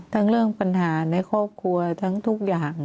เรื่องปัญหาในครอบครัวทั้งทุกอย่าง